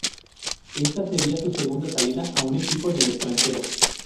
Esta sería su segunda salida a un equipo del extranjero.